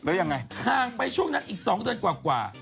แล้วยังไงห่างไปช่วงนั้นอีก๒เดือนกว่า